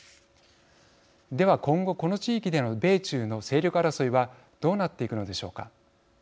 では今後この地域での米中の勢力争いはどうなっていくのでしょうか。